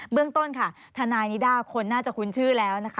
เรื่องต้นค่ะทนายนิด้าคนน่าจะคุ้นชื่อแล้วนะคะ